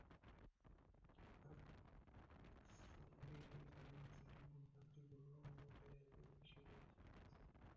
Laksam railway থানার OC Swapan Kanti Barua মামলা দায়েরের বিষয়টি নিশ্চিত করেছেন।